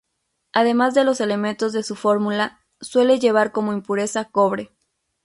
Además de los elementos de su fórmula, suele llevar como impureza cobre.